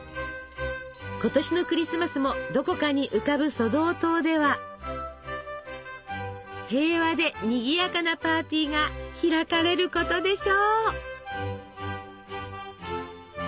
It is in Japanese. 今年のクリスマスもどこかに浮かぶソドー島では平和でにぎやかなパーティーが開かれることでしょう。